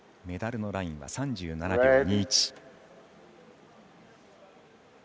メダルのラインは３７秒２１。